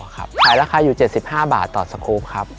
ขายราคาอยู่๗๕บาทต่อสครูปครับ